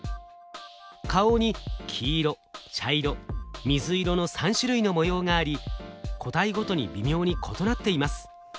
顔に黄色茶色水色の３種類の模様があり個体ごとに微妙に異なっています。